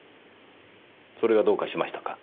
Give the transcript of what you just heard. それがどうかしましたか？